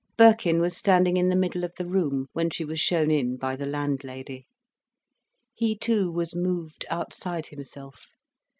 Birkin was standing in the middle of the room, when she was shown in by the landlady. He too was moved outside himself.